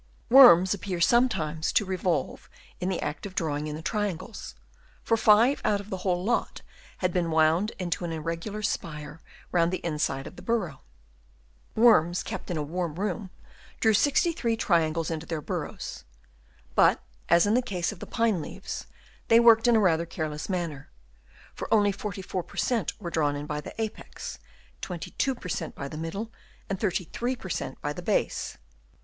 Worms appear sometimes to revolve in the act of drawing in the triangles, for five out of the whole lot had been wound into an irregular spire round the inside of the burrow. Worms kept in a warm room drew 63 triangles into their burrows ; bat, as in the case of the pine leaves, they worked in a rather careless manner, for only 44 per cent, were drawn in by the apex, 22 per cent, by the middle, and 90 HABITS OF WORMS. Chap. II. 33 per cent, by the base.